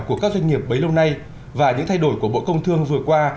của các doanh nghiệp bấy lâu nay và những thay đổi của bộ công thương vừa qua